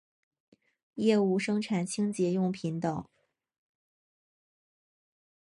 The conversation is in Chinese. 业务生产清洁用品等。